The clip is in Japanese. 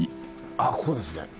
あっここですね。